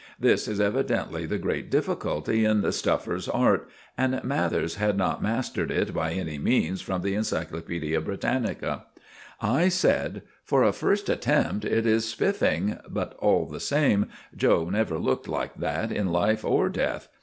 This is evidently the great difficulty in the stuffer's art, and Mathers had not mastered it by any means from the Encyclopædia Britannica. I said— "For a first attempt it is spiffing; but all the same, 'Joe' never looked like that in life or death.